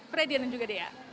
freddy dan juga dea